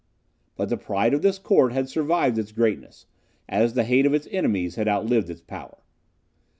But the pride of this court had survived its greatness, as the hate of its enemies had outlived its power.